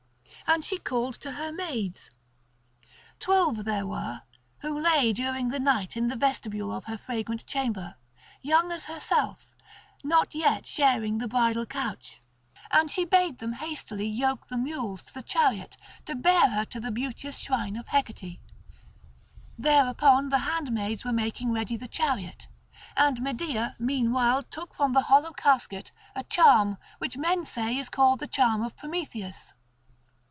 And she called to her maids. Twelve they were, who lay during the night in the vestibule of her fragrant chamber, young as herself, not yet sharing the bridal couch, and she bade them hastily yoke the mules to the chariot to bear her to the beauteous shrine of Hecate. Thereupon the handmaids were making ready the chariot; and Medea meanwhile took from the hollow casket a charm which men say is called the charm of Prometheus.